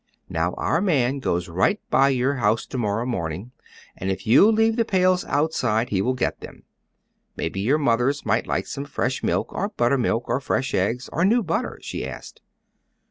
"Now, our man goes right by your house to morrow morning, and if you leave the pails outside he will get them. Maybe your mothers might like some fresh milk, or buttermilk, or fresh eggs, or new butter?" she asked.